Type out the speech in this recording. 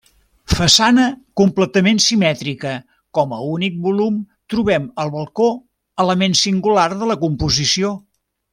Façana completament simètrica, com a únic volum trobem el balcó, element singular de la composició.